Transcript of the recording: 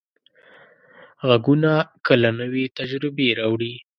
غږونه کله نوې تجربې راوړي.